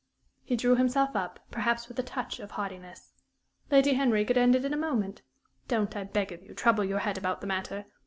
He drew himself up, perhaps with a touch of haughtiness. "Lady Henry could end it in a moment. Don't, I beg of you, trouble your head about the matter.